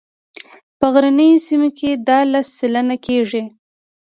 په غرنیو سیمو کې دا لس سلنه کیږي